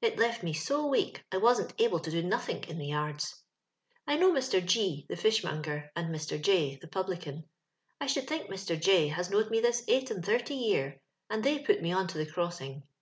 It left me so weak I wasnl able to do nothink in the yazds. *'I know Mr. G , the fishmonger, and ^Ir. J , the publican. I should think Afr. J has knowed me this eight and thirty year, and they put me on to the crossing.